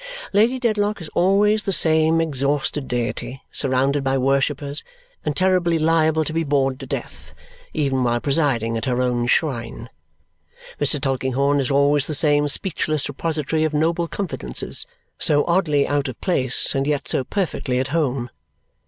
Lady Dedlock is always the same exhausted deity, surrounded by worshippers, and terribly liable to be bored to death, even while presiding at her own shrine. Mr. Tulkinghorn is always the same speechless repository of noble confidences, so oddly out of place and yet so perfectly at home.